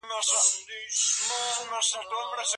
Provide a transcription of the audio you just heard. ټولنیز واقیعت د ټولنیزو نهادونو په مرسته پیاوړی کېږي.